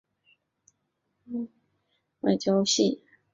邱进益早年毕业于国立政治大学外交系。